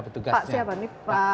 pak siapa nih